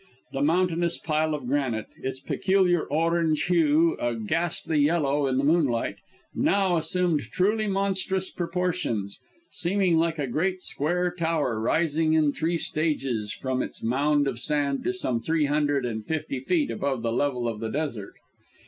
The mountainous pile of granite, its peculiar orange hue a ghastly yellow in the moonlight, now assumed truly monstrous proportions, seeming like a great square tower rising in three stages from its mound of sand to some three hundred and fifty feet above the level of the desert.